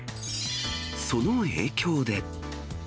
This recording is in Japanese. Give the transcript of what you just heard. その影響で。